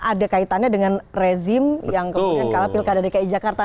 ada kaitannya dengan rezim yang kemudian kalah pilkada dki jakarta